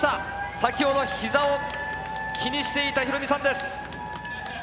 先ほど、ひざを気にしていたヒロミさんです。